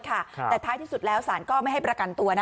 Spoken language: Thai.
แต่ท้ายที่สุดแล้วสารก็ไม่ให้ประกันตัวนะ